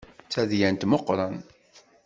D tadyant meqqren.